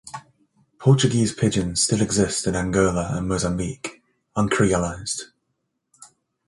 Portuguese pidgins still exist in Angola and Mozambique, uncreolized.